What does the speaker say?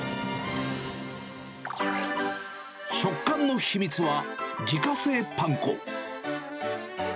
食感の秘密は自家製パン粉。